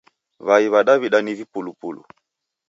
W'ai wa daw'ida ni vipulupulu